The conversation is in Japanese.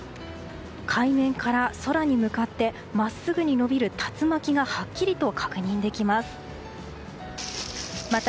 海面から空に向かって真っすぐに延びる竜巻がはっきりと確認できます。